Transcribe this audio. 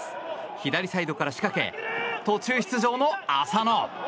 左サイドから仕掛け途中出場の、浅野。